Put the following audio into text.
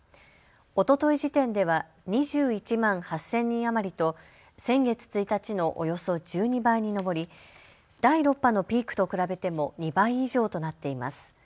おととい時点では２１万８０００人余りと先月１日のおよそ１２倍に上り第６波のピークと比べても２倍以上となっています。